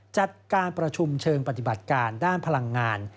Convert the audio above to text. จัดการประชุมเชิงปฏิบัติการด้านพลังงาน